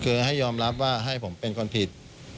คือให้ยอมรับว่าให้ผมเป็นคนผิด